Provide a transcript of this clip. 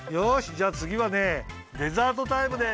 じゃつぎはねデザートタイムです！